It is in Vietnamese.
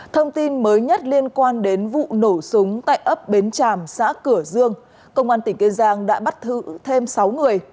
thông tin mới nhất liên quan đến vụ nổ súng tại ấp bến tràm xã cửa dương công an tỉnh kê giang đã bắt thự thêm sáu người